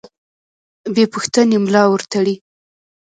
بې پوښتنې ملا ورتړي.